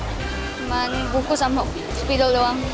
cuma buku sama spidol doang